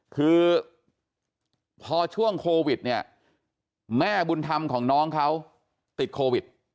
คือพอช่วงโควิดเนี่ยแม่บุญธรรมของน้องเขาติดโควิด